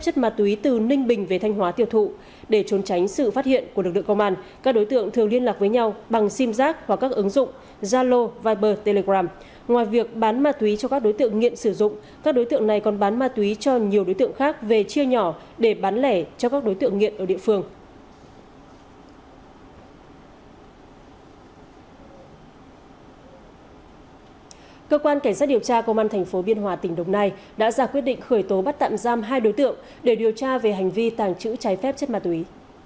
cơ quan cảnh sát điều tra công an tp biên hòa tỉnh đồng nai đã ra quyết định khởi tố bắt tạm giam hai đối tượng để điều tra về hành vi tàng trữ trái phép chất ma túy